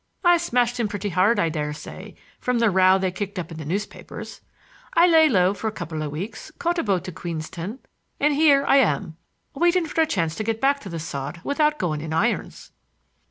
I smashed him pretty hard, I dare say, from the row they kicked up in the newspapers. I lay low for a couple of weeks, caught a boat to Queenstown, and here I am, waiting for a chance to get back to The Sod without going in irons."